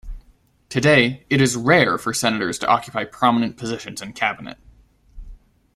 Today, it is rare for senators to occupy prominent positions in cabinet.